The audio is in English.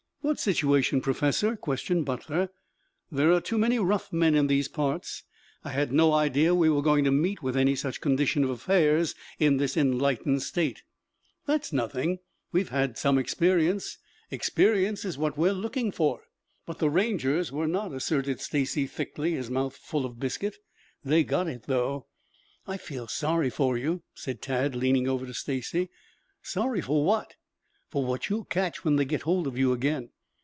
"What situation, Professor?" questioned Butler. "There are too many rough men in these parts. I had no idea we were going to meet with any such condition of affairs in this enlightened state." "That's nothing. We have had some experience. Experience is what we are looking for." "But the Rangers were not," asserted Stacy thickly, his mouth full of biscuit. "They got it, though." "I feel sorry for you," said Tad leaning over to Stacy. "Sorry for what?" "For what you'll catch when they get hold of you again."